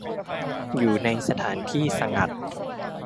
อยู่ในสถานที่สงัด